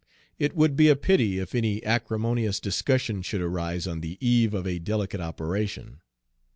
It would be a pity if any acrimonious discussion should arise on the eve of a delicate operation.